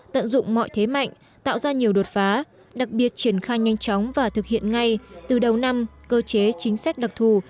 tận dụng mọi thế mạnh tạo ra nhiều đột phá đặc biệt triển khai nhanh chóng và thực hiện ngay từ đầu năm cơ chế chính sách đặc thù